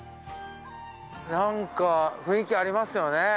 なんか雰囲気ありますよね。